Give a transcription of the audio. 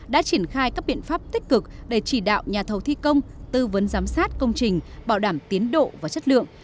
đã triển khai các biện pháp tích cực để chỉ đạo nhà thầu thi công tư vấn giám sát công trình bảo đảm tiến độ và chất lượng